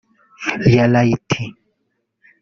‘Yalaiti’